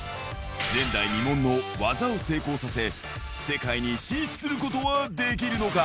前代未聞の技を成功させ、世界に進出することはできるのか。